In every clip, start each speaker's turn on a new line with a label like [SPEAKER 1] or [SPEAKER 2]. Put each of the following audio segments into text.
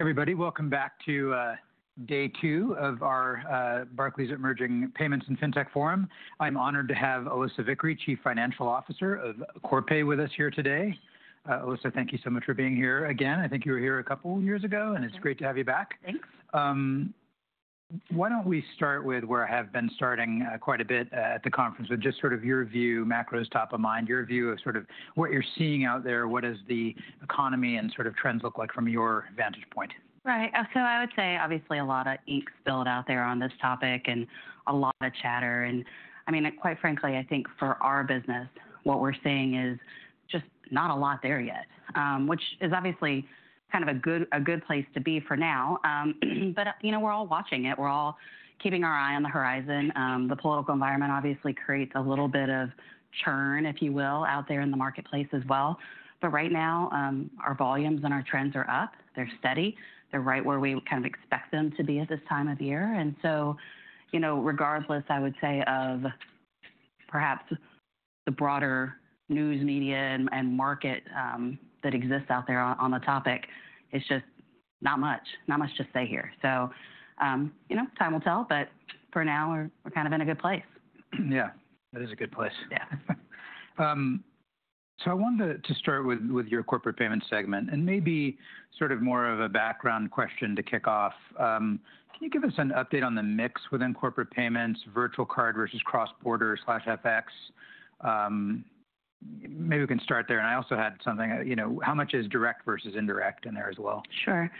[SPEAKER 1] Everybody, welcome back to day two of our Barclays Emerging Payments and FinTech Forum. I'm honored to have Alissa Vickery, Chief Financial Officer of Corpay, with us here today. Alissa, thank you so much for being here again. I think you were here a couple of years ago, and it's great to have you back.
[SPEAKER 2] Thanks.
[SPEAKER 1] Why don't we start with where I have been starting quite a bit at the conference, with just sort of your view, macro's top of mind, your view of sort of what you're seeing out there. What does the economy and sort of trends look like from your vantage point?
[SPEAKER 2] Right. I would say, obviously, a lot of ink spilled out there on this topic and a lot of chatter. I mean, quite frankly, I think for our business, what we're seeing is just not a lot there yet, which is obviously kind of a good, a good place to be for now. You know, we're all watching it. We're all keeping our eye on the horizon. The political environment obviously creates a little bit of churn, if you will, out there in the marketplace as well. Right now, our volumes and our trends are up. They're steady. They're right where we kind of expect them to be at this time of year. You know, regardless, I would say, of perhaps the broader news, media, and market, that exists out there on the topic, it's just not much, not much to say here. You know, time will tell. But for now, we're kind of in a good place.
[SPEAKER 1] Yeah, that is a good place.
[SPEAKER 2] Yeah.
[SPEAKER 1] So I wanted to start with your corporate payments segment and maybe sort of more of a background question to kick off. Can you give us an update on the mix within corporate payments, virtual card versus cross-border/FX? Maybe we can start there. I also had something, you know, how much is direct versus indirect in there as well?
[SPEAKER 2] Sure.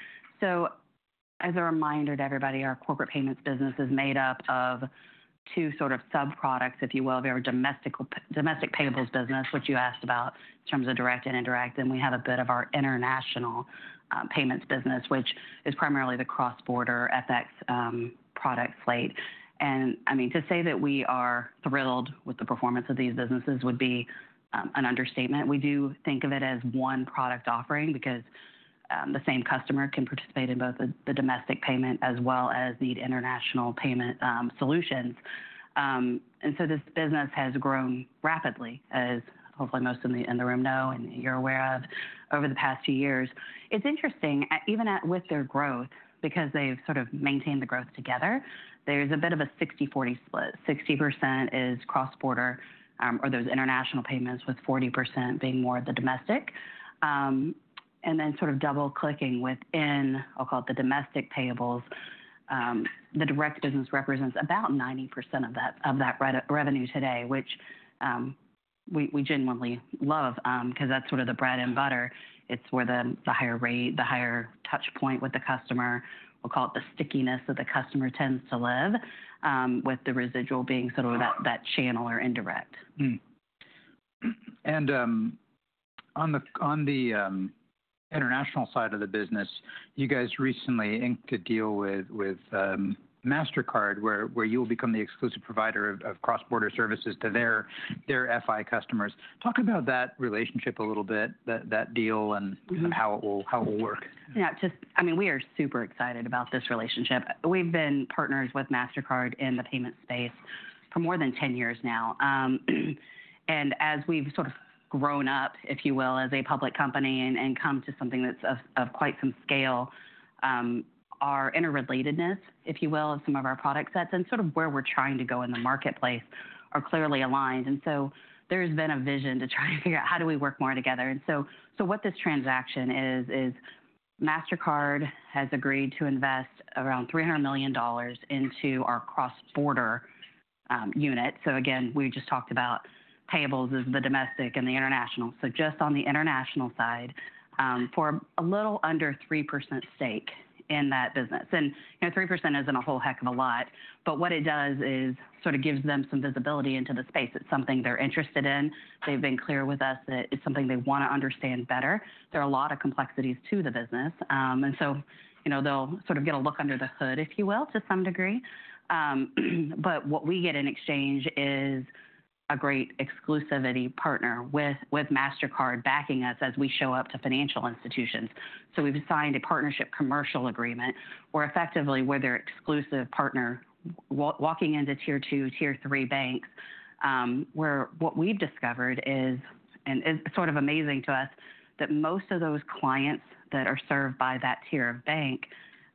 [SPEAKER 2] As a reminder to everybody, our corporate payments business is made up of two sort of sub-products, if you will. We have our Domestic Payables business, which you asked about in terms of direct and indirect. We have a bit of our international payments business, which is primarily the cross-border FX product slate. I mean, to say that we are thrilled with the performance of these businesses would be an understatement. We do think of it as one product offering because the same customer can participate in both the domestic payment as well as the international payment solutions. This business has grown rapidly, as hopefully most in the room know and you are aware of, over the past few years. It is interesting, even with their growth, because they have sort of maintained the growth together, there is a bit of a 60/40 split. 60% is cross-border, or those international payments, with 40% being more of the domestic. Then sort of double-clicking within, I'll call it the domestic payables, the direct business represents about 90% of that revenue today, which, we genuinely love, because that's sort of the bread and butter. It's where the higher rate, the higher touchpoint with the customer, we'll call it the stickiness that the customer tends to live, with the residual being sort of that channel or indirect.
[SPEAKER 1] On the international side of the business, you guys recently inked a deal with Mastercard, where you'll become the exclusive provider of cross-border services to their FI customers. Talk about that relationship a little bit, that deal and how it will work.
[SPEAKER 2] Yeah, just, I mean, we are super excited about this relationship. We've been partners with Mastercard in the payment space for more than 10 years now. As we've sort of grown up, if you will, as a public company and come to something that's of quite some scale, our interrelatedness, if you will, of some of our product sets and sort of where we're trying to go in the marketplace are clearly aligned. There has been a vision to try and figure out how do we work more together. What this transaction is, is Mastercard has agreed to invest around $300 million into our cross-border unit. Again, we just talked about payables as the domestic and the international. Just on the international side, for a little under 3% stake in that business. You know, 3% isn't a whole heck of a lot, but what it does is sort of gives them some visibility into the space. It's something they're interested in. They've been clear with us that it's something they want to understand better. There are a lot of complexities to the business, and so, you know, they'll sort of get a look under the hood, if you will, to some degree. What we get in exchange is a great exclusivity partner with Mastercard backing us as we show up to financial institutions. We've signed a partnership commercial agreement where effectively we're their exclusive partner, walking into tier two, tier three banks. where what we've discovered is, and it's sort of amazing to us, that most of those clients that are served by that tier of bank,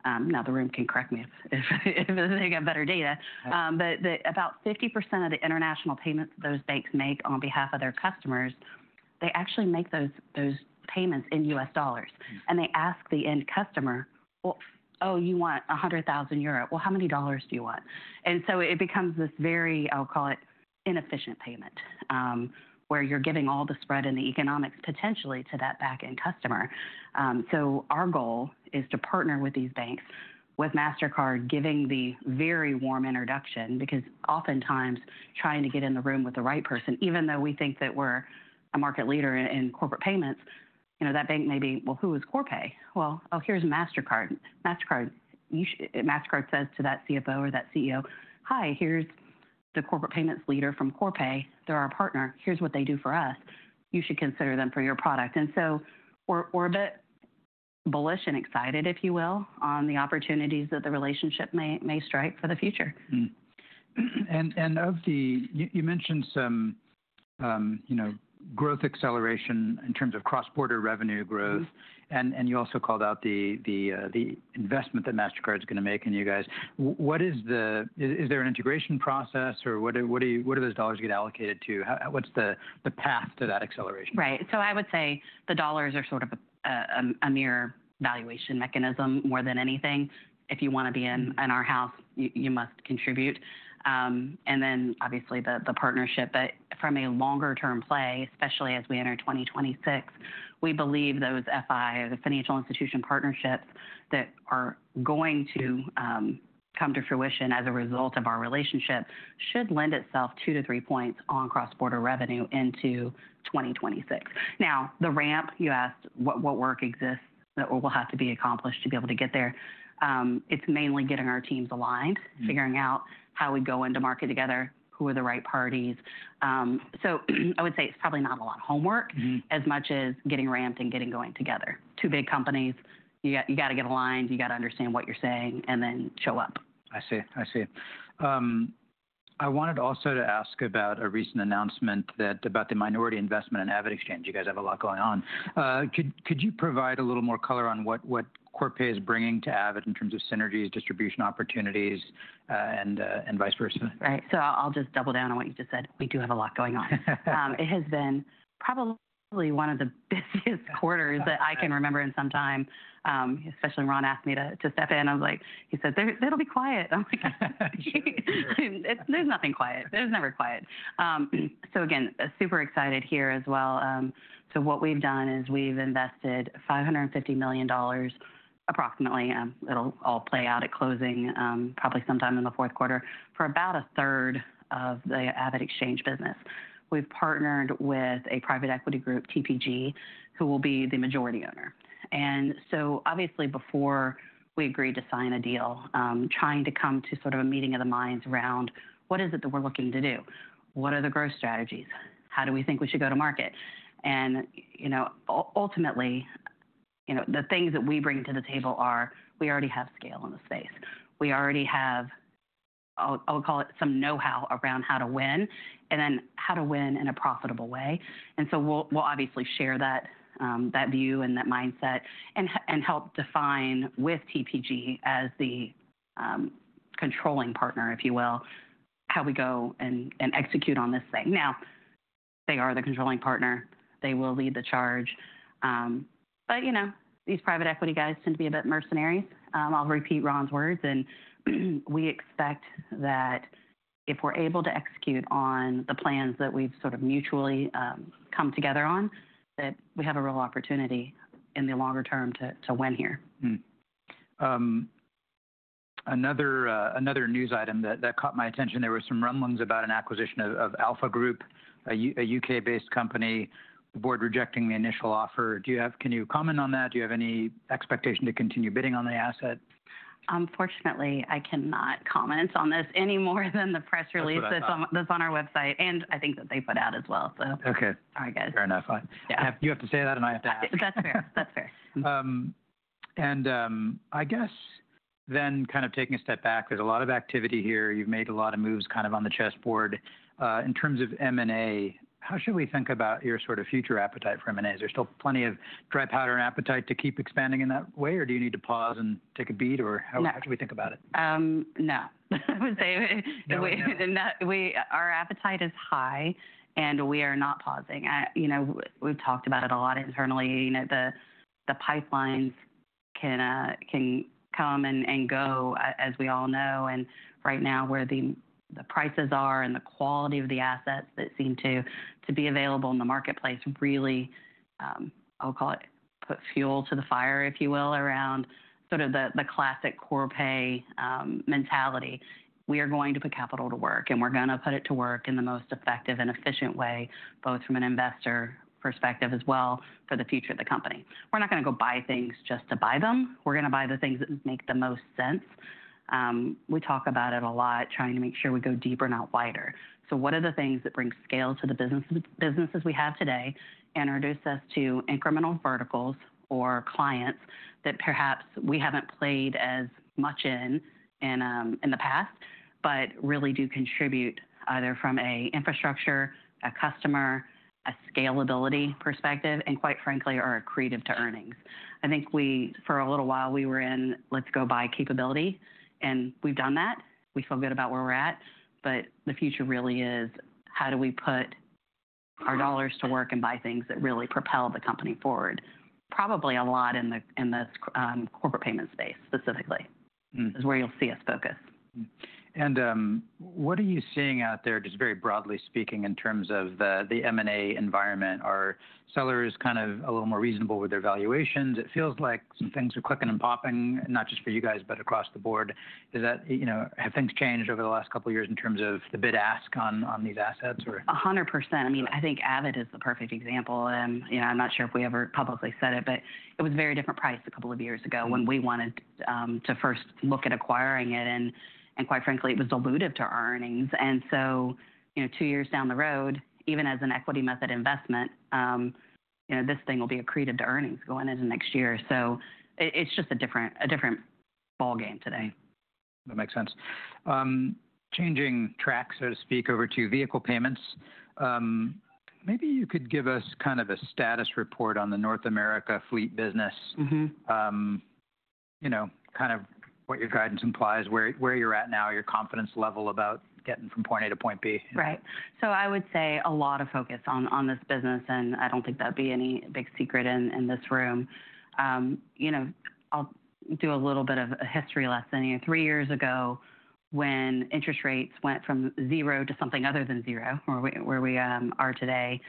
[SPEAKER 2] now the room can correct me if they got better data, but about 50% of the international payments those banks make on behalf of their customers, they actually make those payments in U.S. dollars. They ask the end customer, "Oh, you want 100,000 euro. How many dollars do you want?" It becomes this very, I'll call it inefficient payment, where you're giving all the spread in the economics potentially to that back-end customer. Our goal is to partner with these banks, with Mastercard giving the very warm introduction, because oftentimes trying to get in the room with the right person, even though we think that we're a market leader in corporate payments, you know, that bank may be, "Well, who is Corpay?" "Oh, here's Mastercard." Mastercard says to that CFO or that CEO, "Hi, here's the corporate payments leader from Corpay. They're our partner. Here's what they do for us. You should consider them for your product." We're a bit bullish and excited, if you will, on the opportunities that the relationship may strike for the future.
[SPEAKER 1] Of the, you mentioned some, you know, growth acceleration in terms of cross-border revenue growth. You also called out the investment that Mastercard is going to make in you guys. What is the, is there an integration process or what do those dollars get allocated to? What's the path to that acceleration?
[SPEAKER 2] Right. I would say the dollars are sort of a mere valuation mechanism more than anything. If you want to be in our house, you must contribute. Obviously, the partnership that from a longer-term play, especially as we enter 2026, we believe those FI, the financial institution partnerships that are going to come to fruition as a result of our relationship should lend itself two to three percentage points on cross-border revenue into 2026. Now, the ramp, you asked what work exists that will have to be accomplished to be able to get there. It is mainly getting our teams aligned, figuring out how we go into market together, who are the right parties. I would say it is probably not a lot of homework as much as getting ramped and getting going together. Two big companies, you got to get aligned, you got to understand what you're saying, and then show up.
[SPEAKER 1] I see. I see. I wanted also to ask about a recent announcement about the minority investment in AvidXchange. You guys have a lot going on. Could you provide a little more color on what Corpay is bringing to Avid in terms of synergies, distribution opportunities, and vice versa?
[SPEAKER 2] Right. I'll just double down on what you just said. We do have a lot going on. It has been probably one of the busiest quarters that I can remember in some time, especially when Ron asked me to step in. I was like, he said, "It'll be quiet." I'm like, "There's nothing quiet. There's never quiet." Again, super excited here as well. What we've done is we've invested $550 million approximately. It'll all play out at closing, probably sometime in the fourth quarter for about a third of the AvidXchange business. We've partnered with a private equity group, TPG, who will be the majority owner. Obviously, before we agreed to sign a deal, trying to come to sort of a meeting of the minds around what is it that we're looking to do, what are the growth strategies, how do we think we should go to market? You know, ultimately, the things that we bring to the table are, we already have scale in the space. We already have, I'll call it some know-how around how to win and then how to win in a profitable way. We'll obviously share that view and that mindset and help define with TPG as the controlling partner, if you will, how we go and execute on this thing. Now, they are the controlling partner. They will lead the charge. You know, these private equity guys tend to be a bit mercenaries. I'll repeat Ron's words. We expect that if we're able to execute on the plans that we've sort of mutually come together on, that we have a real opportunity in the longer term to win here.
[SPEAKER 1] Another news item that caught my attention, there were some rumblings about an acquisition of Alpha Group, a U.K.-based company, the board rejecting the initial offer. Do you have, can you comment on that? Do you have any expectation to continue bidding on the asset?
[SPEAKER 2] Unfortunately, I cannot comment on this any more than the press release that is on our website, and I think that they put out as well.
[SPEAKER 1] Okay. Fair enough. You have to say that and I have to ask.
[SPEAKER 2] That's fair. That's fair.
[SPEAKER 1] I guess then kind of taking a step back, there's a lot of activity here. You've made a lot of moves kind of on the chessboard. In terms of M&A, how should we think about your sort of future appetite for M&A? Is there still plenty of dry powder and appetite to keep expanding in that way, or do you need to pause and take a beat, or how should we think about it?
[SPEAKER 2] No. I would say our appetite is high and we are not pausing. You know, we've talked about it a lot internally. You know, the pipelines can come and go, as we all know. Right now where the prices are and the quality of the assets that seem to be available in the marketplace really, I'll call it, put fuel to the fire, if you will, around sort of the classic Corpay mentality. We are going to put capital to work and we're going to put it to work in the most effective and efficient way, both from an investor perspective as well as for the future of the company. We're not going to go buy things just to buy them. We're going to buy the things that make the most sense. We talk about it a lot, trying to make sure we go deeper, not wider. What are the things that bring scale to the businesses we have today and introduce us to incremental verticals or clients that perhaps we have not played as much in in the past, but really do contribute either from an infrastructure, a customer, a scalability perspective, and quite frankly, are accretive to earnings. I think we, for a little while, we were in, let's go buy capability. We have done that. We feel good about where we are at. The future really is, how do we put our dollars to work and buy things that really propel the company forward. Probably a lot in the corporate payment space specifically is where you will see us focus.
[SPEAKER 1] What are you seeing out there, just very broadly speaking, in terms of the M&A environment? Are sellers kind of a little more reasonable with their valuations? It feels like some things are clicking and popping, not just for you guys, but across the board. Is that, you know, have things changed over the last couple of years in terms of the bid-ask on these assets?
[SPEAKER 2] 100%. I mean, I think Avid is the perfect example. And, you know, I'm not sure if we ever publicly said it, but it was a very different price a couple of years ago when we wanted to first look at acquiring it. And quite frankly, it was dilutive to our earnings. And so, you know, two years down the road, even as an equity method investment, you know, this thing will be accretive to earnings going into next year. So it's just a different ballgame today.
[SPEAKER 1] That makes sense. Changing track, so to speak, over to vehicle payments. Maybe you could give us kind of a status report on the North America fleet business. You know, kind of what your guidance implies, where you're at now, your confidence level about getting from point A to point B.
[SPEAKER 2] Right. I would say a lot of focus on this business. I do not think that would be any big secret in this room. You know, I will do a little bit of a history lesson. You know, three years ago when interest rates went from zero to something other than zero, where we are today,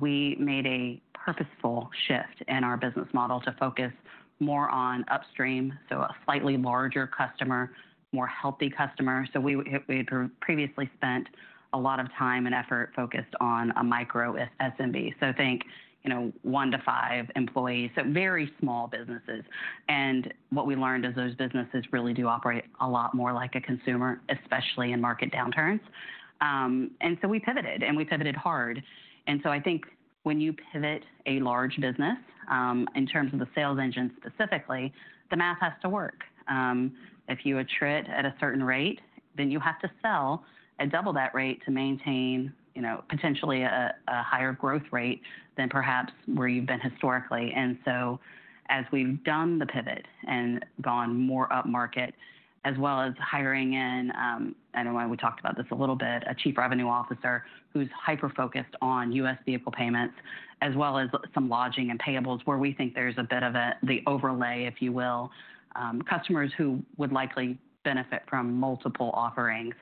[SPEAKER 2] we made a purposeful shift in our business model to focus more on upstream. A slightly larger customer, more healthy customer. We had previously spent a lot of time and effort focused on a micro SMB. Think one to five employees. Very small businesses. What we learned is those businesses really do operate a lot more like a consumer, especially in market downturns. We pivoted and we pivoted hard. I think when you pivot a large business, in terms of the sales engine specifically, the math has to work. If you attrit at a certain rate, then you have to sell at double that rate to maintain, you know, potentially a higher growth rate than perhaps where you have been historically. As we have done the pivot and gone more up market, as well as hiring in, I know we talked about this a little bit, a Chief Revenue Officer who is hyper-focused on US vehicle payments, as well as some lodging and payables where we think there is a bit of the overlay, if you will, customers who would likely benefit from multiple offerings.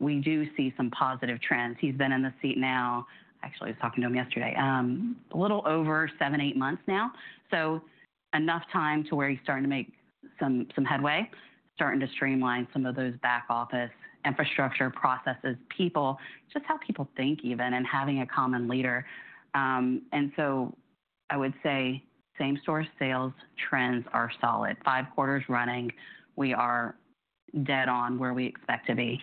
[SPEAKER 2] We do see some positive trends. He has been in the seat now, actually I was talking to him yesterday, a little over seven, eight months now. Enough time to where he's starting to make some headway, starting to streamline some of those back office infrastructure processes, people, just how people think even and having a common leader. I would say same source sales trends are solid. Five quarters running, we are dead on where we expect to be.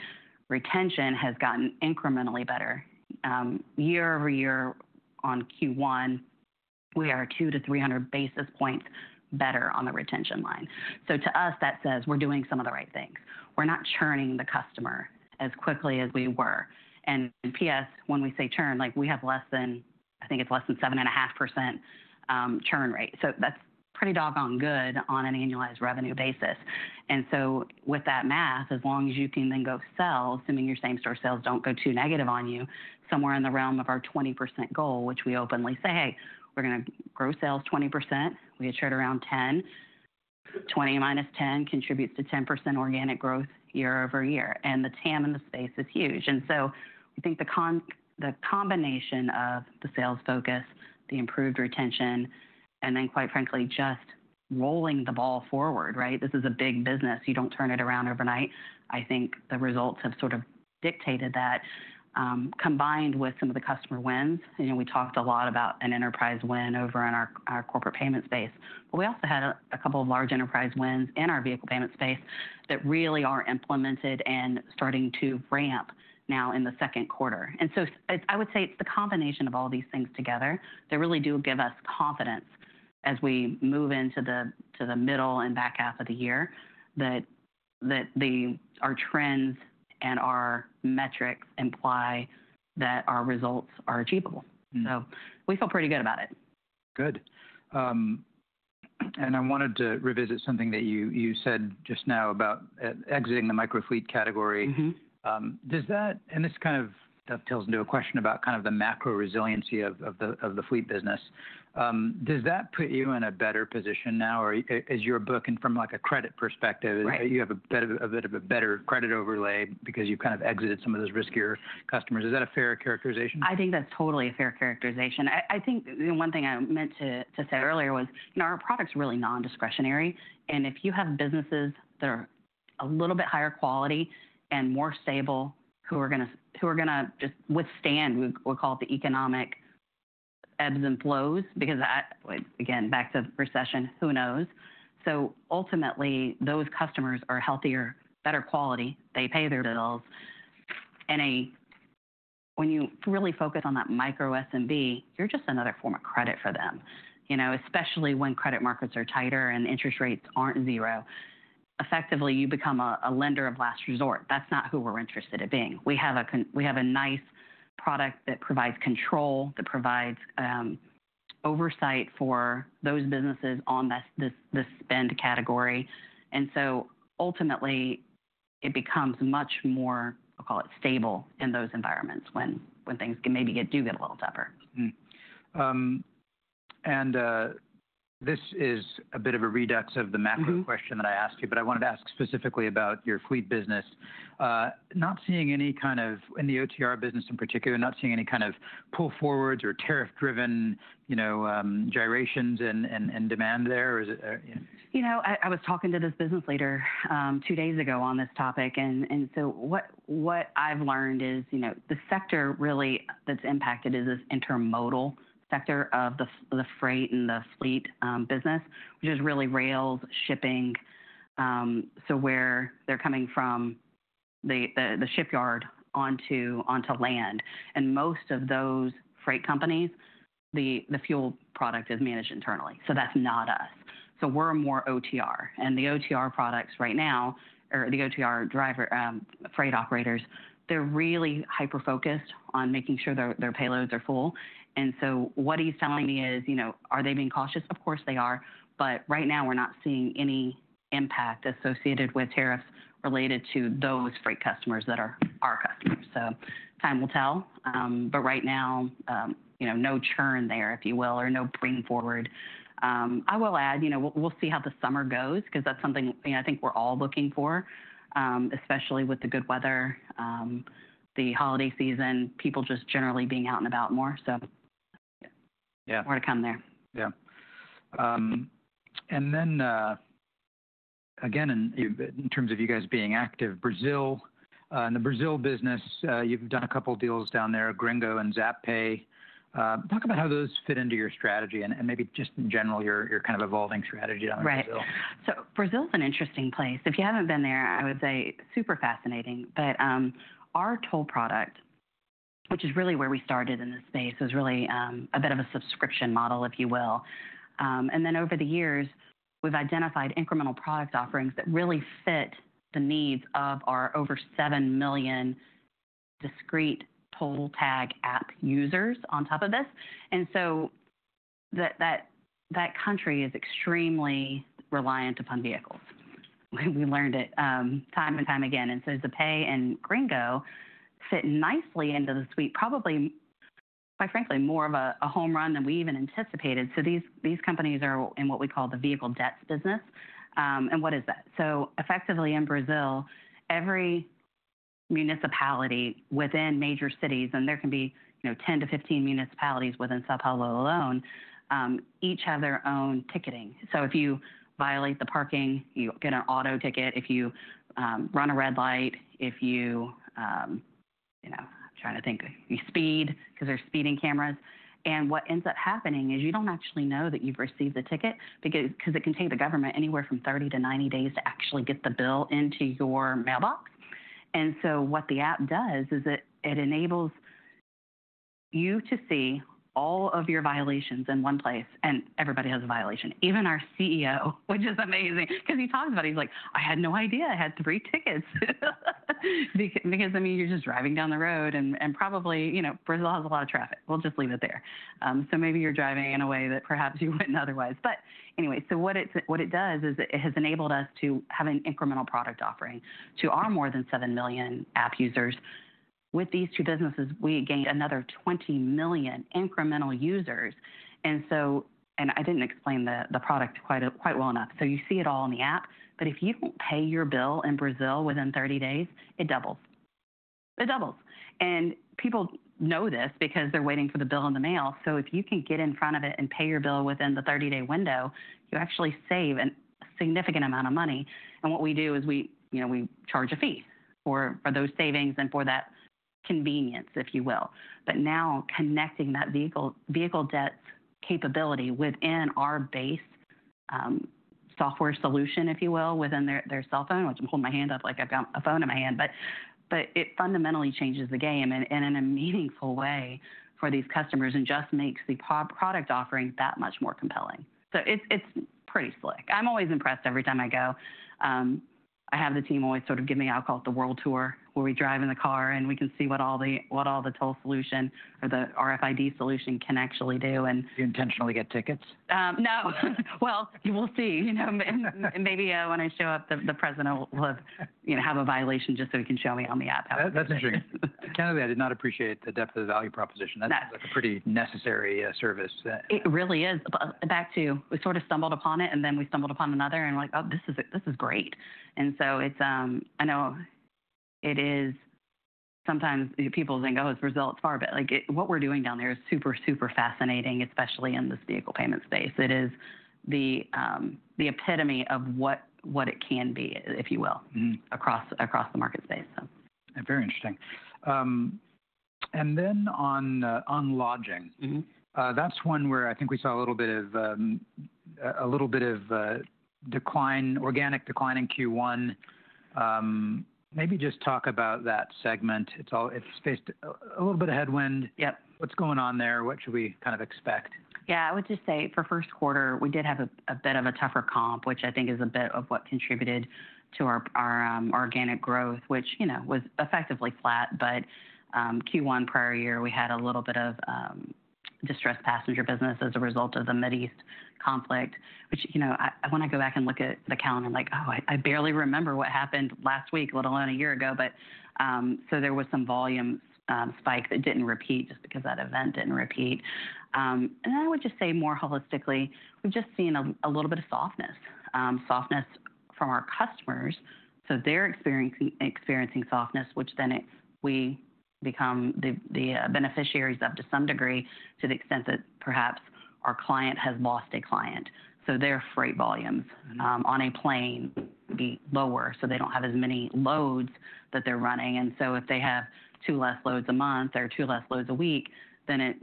[SPEAKER 2] Retention has gotten incrementally better. Year-over-year on Q1, we are 200-300 basis points better on the retention line. To us, that says we're doing some of the right things. We're not churning the customer as quickly as we were. And PS, when we say churn, like we have less than, I think it's less than 7.5%, churn rate. That's pretty doggone good on an annualized revenue basis. With that math, as long as you can then go sell, assuming your same store sales do not go too negative on you, somewhere in the realm of our 20% goal, which we openly say, "Hey, we are going to grow sales 20%." We had churn around 10%. 20% minus 10% contributes to 10% organic growth year-over-year. The TAM in the space is huge. I think the combination of the sales focus, the improved retention, and then quite frankly, just rolling the ball forward, right? This is a big business. You do not turn it around overnight. I think the results have sort of dictated that, combined with some of the customer wins. You know, we talked a lot about an enterprise win over in our corporate payment space. We also had a couple of large enterprise wins in our vehicle payment space that really are implemented and starting to ramp now in the second quarter. I would say it is the combination of all these things together that really do give us confidence as we move into the middle and back half of the year that our trends and our metrics imply that our results are achievable. We feel pretty good about it.
[SPEAKER 1] Good. I wanted to revisit something that you said just now about exiting the micro fleet category. Does that, and this kind of dovetails into a question about kind of the macro resiliency of the fleet business, does that put you in a better position now? Or is your book, and from like a credit perspective, you have a bit of a better credit overlay because you've kind of exited some of those riskier customers? Is that a fair characterization?
[SPEAKER 2] I think that's totally a fair characterization. I think one thing I meant to say earlier was, you know, our product's really non-discretionary. And if you have businesses that are a little bit higher quality and more stable, who are going to just withstand, we'll call it the economic ebbs and flows, because again, back to recession, who knows? Ultimately, those customers are healthier, better quality. They pay their bills. And when you really focus on that micro SMB, you're just another form of credit for them, you know, especially when credit markets are tighter and interest rates aren't zero. Effectively, you become a lender of last resort. That's not who we're interested in being. We have a nice product that provides control, that provides oversight for those businesses on the spend category. Ultimately, it becomes much more, I'll call it, stable in those environments when things maybe do get a little tougher.
[SPEAKER 1] This is a bit of a redux of the macro question that I asked you, but I wanted to ask specifically about your fleet business. Not seeing any kind of, in the OTR business in particular, not seeing any kind of pull forwards or tariff-driven, you know, gyrations in demand there.
[SPEAKER 2] You know, I was talking to this business leader two days ago on this topic. And so what I've learned is, you know, the sector really that's impacted is this intermodal sector of the freight and the fleet business, which is really rails, shipping. So where they're coming from the shipyard onto land. Most of those freight companies, the fuel product is managed internally. So that's not us. We're more OTR. The OTR products right now, or the OTR freight operators, they're really hyper-focused on making sure their payloads are full. What he's telling me is, you know, are they being cautious? Of course they are. Right now, we're not seeing any impact associated with tariffs related to those freight customers that are our customers. Time will tell. Right now, you know, no churn there, if you will, or no bring forward. I will add, you know, we'll see how the summer goes, because that's something, you know, I think we're all looking for, especially with the good weather, the holiday season, people just generally being out and about more. More to come there.
[SPEAKER 1] Yeah. And then, again, in terms of you guys being active, Brazil, in the Brazil business, you've done a couple of deals down there, Gringo and Zapay. Talk about how those fit into your strategy and maybe just in general, your kind of evolving strategy down in Brazil.
[SPEAKER 2] Right. Brazil is an interesting place. If you haven't been there, I would say super fascinating. Our toll product, which is really where we started in this space, is really a bit of a subscription model, if you will. Over the years, we've identified incremental product offerings that really fit the needs of our over 7 million discrete toll tag app users on top of this. That country is extremely reliant upon vehicles. We learned it time and time again. Zapay and Gringo fit nicely into the suite, probably, quite frankly, more of a home run than we even anticipated. These companies are in what we call the vehicle debts business. What is that? Effectively in Brazil, every municipality within major cities, and there can be, you know, 10-15 municipalities within São Paulo alone, each have their own ticketing. If you violate the parking, you get an auto ticket. If you run a red light, if you, you know, I'm trying to think, you speed, because there's speeding cameras. What ends up happening is you do not actually know that you've received the ticket, because it can take the government anywhere from 30-90 days to actually get the bill into your mailbox. What the app does is it enables you to see all of your violations in one place. Everybody has a violation. Even our CEO, which is amazing, because he talks about it, he's like, I had no idea I had three tickets. Because, I mean, you're just driving down the road and probably, you know, Brazil has a lot of traffic. We'll just leave it there. Maybe you're driving in a way that perhaps you wouldn't otherwise. Anyway, what it does is it has enabled us to have an incremental product offering to our more than 7 million app users. With these two businesses, we gained another 20 million incremental users. I didn't explain the product quite well enough. You see it all in the app. If you don't pay your bill in Brazil within 30 days, it doubles. It doubles. People know this because they're waiting for the bill in the mail. If you can get in front of it and pay your bill within the 30-day window, you actually save a significant amount of money. What we do is we, you know, we charge a fee for those savings and for that convenience, if you will. Now connecting that vehicle debts capability within our base software solution, if you will, within their cell phone, which I'm holding my hand up like I've got a phone in my hand, but it fundamentally changes the game in a meaningful way for these customers and just makes the product offering that much more compelling. It is pretty slick. I'm always impressed every time I go. I have the team always sort of give me, I'll call it the world tour where we drive in the car and we can see what all the toll solution or the RFID solution can actually do.
[SPEAKER 1] Do you intentionally get tickets?
[SPEAKER 2] No. You know, maybe when I show up, the president will have, you know, have a violation just so he can show me on the app.
[SPEAKER 1] That's interesting. Kennedy, I did not appreciate the depth of the value proposition. That's a pretty necessary service.
[SPEAKER 2] It really is. Back to, we sort of stumbled upon it and then we stumbled upon another and we are like, oh, this is great. It is, I know it is sometimes people think, oh, it is Brazil, it is far, but like what we are doing down there is super, super fascinating, especially in this vehicle payment space. It is the epitome of what it can be, if you will, across the market space.
[SPEAKER 1] Very interesting. And then on lodging, that's one where I think we saw a little bit of, a little bit of decline, organic decline in Q1. Maybe just talk about that segment. It's all, it's faced a little bit of headwind. What's going on there? What should we kind of expect?
[SPEAKER 2] Yeah, I would just say for first quarter, we did have a bit of a tougher comp, which I think is a bit of what contributed to our organic growth, which, you know, was effectively flat. Q1 prior year, we had a little bit of distressed passenger business as a result of the Mideast conflict, which, you know, when I go back and look at the calendar, I'm like, oh, I barely remember what happened last week, let alone a year ago. There was some volume spike that did not repeat just because that event did not repeat. I would just say more holistically, we've just seen a little bit of softness, softness from our customers. They are experiencing softness, which then we become the beneficiaries of to some degree to the extent that perhaps our client has lost a client. Their freight volumes on a plane would be lower. They do not have as many loads that they are running. If they have two less loads a month or two less loads a week, then it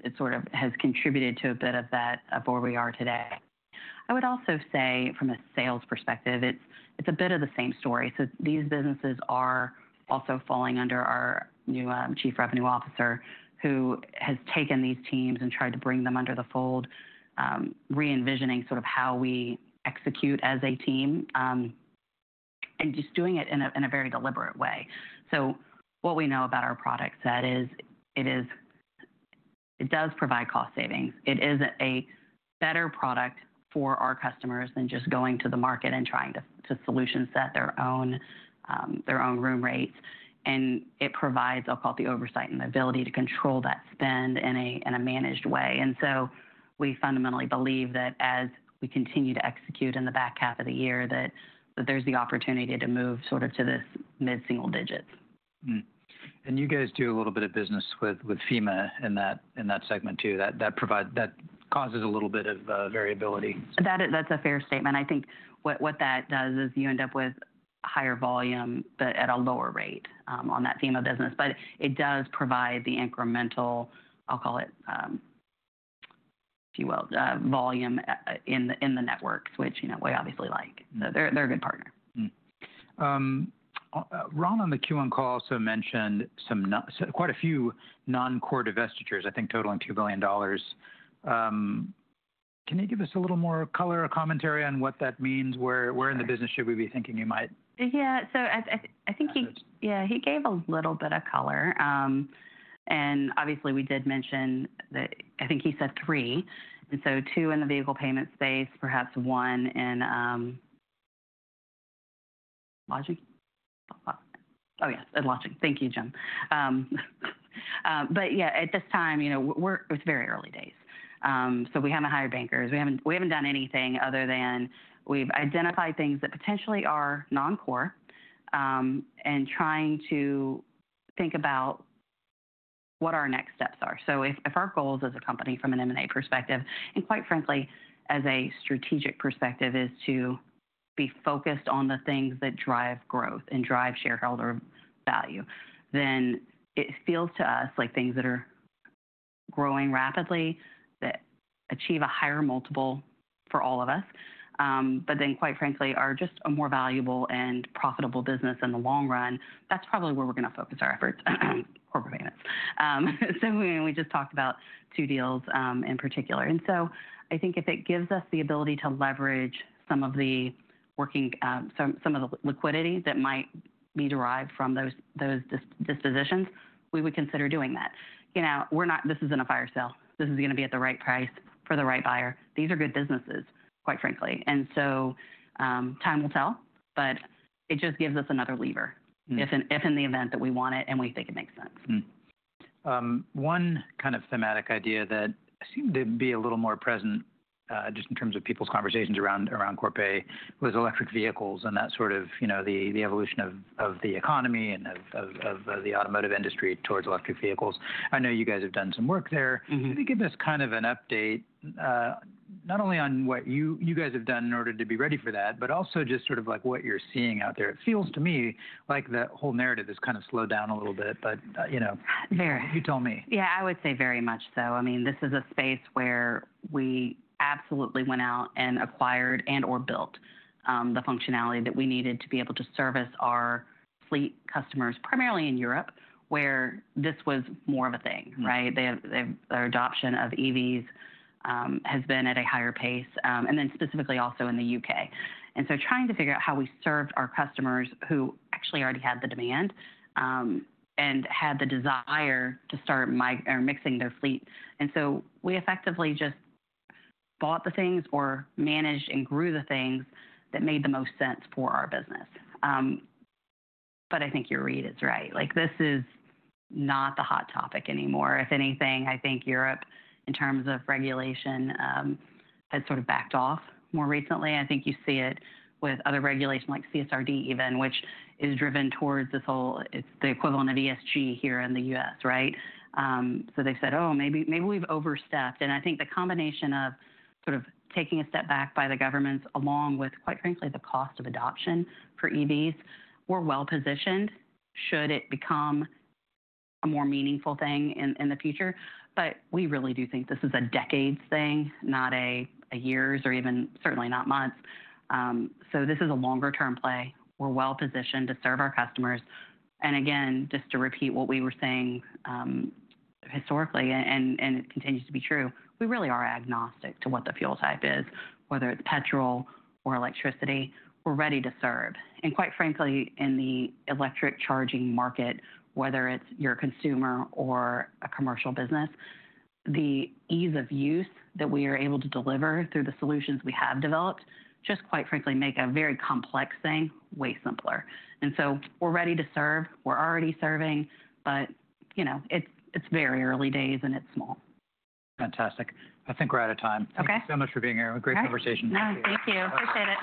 [SPEAKER 2] has contributed to a bit of that of where we are today. I would also say from a sales perspective, it is a bit of the same story. These businesses are also falling under our new Chief Revenue Officer who has taken these teams and tried to bring them under the fold, re-envisioning how we execute as a team, and just doing it in a very deliberate way. What we know about our product set is it does provide cost savings. It is a better product for our customers than just going to the market and trying to solution set their own room rates. It provides, I'll call it, the oversight and the ability to control that spend in a managed way. We fundamentally believe that as we continue to execute in the back half of the year, there's the opportunity to move sort of to this mid-single-digits.
[SPEAKER 1] You guys do a little bit of business with FEMA in that segment too. That causes a little bit of variability.
[SPEAKER 2] That's a fair statement. I think what that does is you end up with higher volume, but at a lower rate on that FEMA business. It does provide the incremental, I'll call it, if you will, volume in the networks, which, you know, we obviously like. They are a good partner.
[SPEAKER 1] Ron on the Q1 call also mentioned quite a few non-core divestitures, I think totaling $2 billion. Can you give us a little more color or commentary on what that means? Where in the business should we be thinking you might?
[SPEAKER 2] Yeah, so I think he, yeah, he gave a little bit of color. And obviously we did mention that I think he said three. And so two in the vehicle payment space, perhaps one in lodging. Oh, yes, in lodging. Thank you, Jim. But yeah, at this time, you know, it's very early days. So we haven't hired bankers. We haven't done anything other than we've identified things that potentially are non-core, and trying to think about what our next steps are. If our goals as a company from an M&A perspective, and quite frankly, as a strategic perspective, is to be focused on the things that drive growth and drive shareholder value, it feels to us like things that are growing rapidly that achieve a higher multiple for all of us, but then quite frankly, are just a more valuable and profitable business in the long run, that's probably where we're going to focus our efforts, corporate payments. We just talked about two deals, in particular. I think if it gives us the ability to leverage some of the working, some of the liquidity that might be derived from those dispositions, we would consider doing that. You know, we're not, this isn't a fire sale. This is going to be at the right price for the right buyer. These are good businesses, quite frankly. Time will tell, but it just gives us another lever if in the event that we want it and we think it makes sense.
[SPEAKER 1] One kind of thematic idea that seemed to be a little more present, just in terms of people's conversations around Corpay, was electric vehicles and that sort of, you know, the evolution of the economy and of the automotive industry towards electric vehicles. I know you guys have done some work there. Can you give us kind of an update, not only on what you guys have done in order to be ready for that, but also just sort of like what you're seeing out there? It feels to me like the whole narrative has kind of slowed down a little bit, but, you know, you tell me.
[SPEAKER 2] Yeah, I would say very much so. I mean, this is a space where we absolutely went out and acquired and/or built the functionality that we needed to be able to service our fleet customers, primarily in Europe, where this was more of a thing, right? Their adoption of EVs has been at a higher pace, and then specifically also in the U.K. Trying to figure out how we served our customers who actually already had the demand, and had the desire to start mixing their fleet. We effectively just bought the things or managed and grew the things that made the most sense for our business. I think your read is right. Like this is not the hot topic anymore. If anything, I think Europe in terms of regulation has sort of backed off more recently. I think you see it with other regulations like CSRD even, which is driven towards this whole, it's the equivalent of ESG here in the U.S., right? They said, oh, maybe we've overstepped. I think the combination of sort of taking a step back by the governments along with, quite frankly, the cost of adoption for EVs, we're well positioned should it become a more meaningful thing in the future. We really do think this is a decade's thing, not a year's or even certainly not months. This is a longer-term play. We're well positioned to serve our customers. Again, just to repeat what we were saying, historically, and it continues to be true, we really are agnostic to what the fuel type is, whether it's petrol or electricity. We're ready to serve. Quite frankly, in the electric charging market, whether it's your consumer or a commercial business, the ease of use that we are able to deliver through the solutions we have developed just quite frankly make a very complex thing way simpler. We are ready to serve. We are already serving, but, you know, it's very early days and it's small.
[SPEAKER 1] Fantastic. I think we're out of time. Thank you so much for being here. Great conversation.
[SPEAKER 2] Thank you.